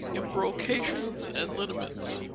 Embrocations and Liniments.